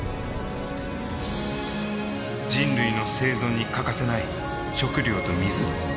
人類の生存に欠かせない食糧と水。